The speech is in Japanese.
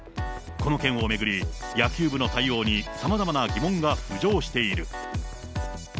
この件を巡り、野球部の対応にさまざまな疑問が浮上している。